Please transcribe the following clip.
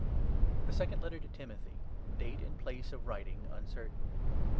THE SECOND LETTER TO TIMOTHY. [DATE AND PLACE OF WRITING UNCERTAIN.